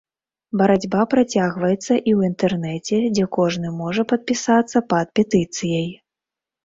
Барацьба працягваецца і ў інтэрнэце, дзе кожны можа падпісацца пад петыцыяй.